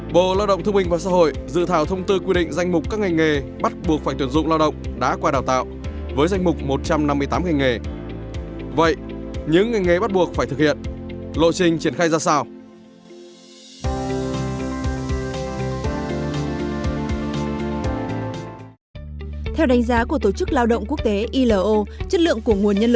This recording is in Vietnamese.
bộ lao động thương minh và xã hội dự thảo thông tư quy định danh mục các ngành nghề bắt buộc phải tuyển dụng lao động đã qua đào tạo với danh mục một trăm năm mươi tám ngành nghề